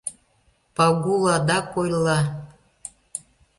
— Пагул адак ойла.